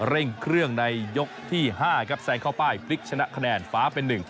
เร่งเครื่องในยกที่๕ครับแซงเข้าป้ายพลิกชนะคะแนนฟ้าเป็นหนึ่ง